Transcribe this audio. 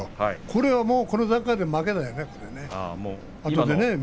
これはもうこの段階で負けだよね。